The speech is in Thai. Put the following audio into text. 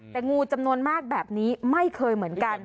แต่งูจำนวนมากแบบนี้ไม่เคยเหมือนกัน